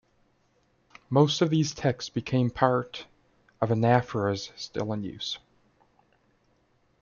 Most of these texts became parts of anaphoras still in use.